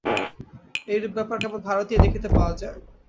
এইরূপ ব্যাপার কেবল ভারতেই দেখিতে পাওয়া যায়।